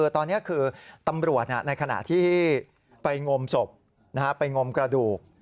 ตอนนี้คือตำรวจในขณะที่ไปงมศพไปงมกระดูก